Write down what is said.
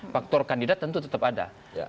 faktor kandidat tentu tetap ada